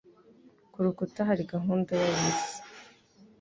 Ku rukuta hari gahunda ya bisi.